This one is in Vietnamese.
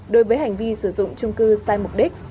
đối với hành vi sử dụng trung cư sai mục đích